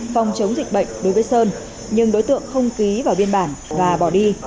phòng chống dịch bệnh đối với sơn nhưng đối tượng không ký vào biên bản và bỏ đi